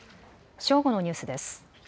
正午のニュースです。